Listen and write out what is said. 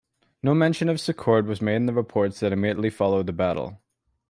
No mention of Secord was made in reports that immediately followed the battle.